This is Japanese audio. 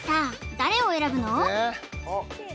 誰を選ぶの？